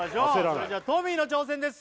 それじゃトミーの挑戦です